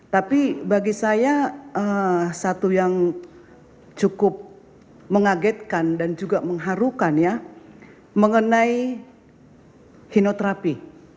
tapi bagi saya satu yang cukup mengagetkan dan juga mengharukan ya mengenai hinoterapi